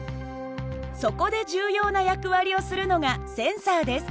そこで重要な役割をするのがセンサーです。